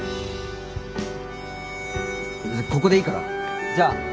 ここでいいからじゃあ。